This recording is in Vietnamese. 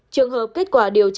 trường hợp kết quả điều trị